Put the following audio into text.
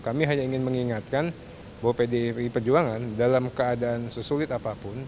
kami hanya ingin mengingatkan bahwa pdip perjuangan dalam keadaan sesulit apapun